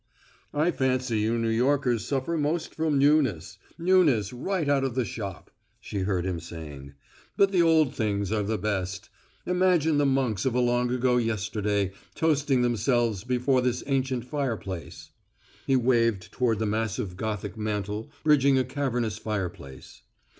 "I fancy you New Yorkers suffer most from newness newness right out of the shop," she heard him saying. "But the old things are the best. Imagine the monks of a long ago yesterday toasting themselves before this ancient fireplace." He waved toward the massive Gothic mantel bridging a cavernous fireplace.